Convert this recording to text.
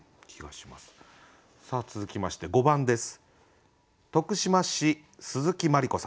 さあ続きまして５番です。